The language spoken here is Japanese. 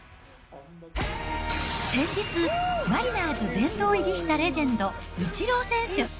先日、マリナーズ殿堂入りしたレジェンド、イチロー選手。